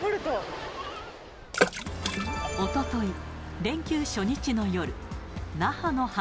おととい、連休初日の夜。